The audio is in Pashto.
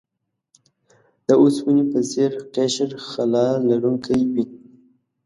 د اوسپنې په څیر قشر خلا لرونکی وي.